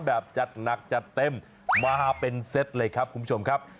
แบบจัดหนักจัดเต็มมาเป็นเซตเลยครับคุณผู้ชมครับ